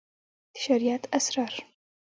د شريعت اسرار